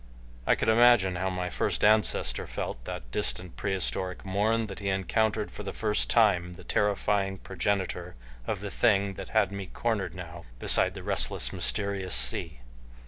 I could imagine how my first ancestor felt that distant, prehistoric morn that he encountered for the first time the terrifying progenitor of the thing that had me cornered now beside the restless, mysterious sea.